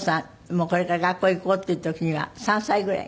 もうこれから学校へ行こうっていう時には３歳ぐらい？